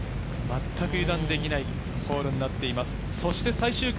１５番、全く油断できないホールになっています。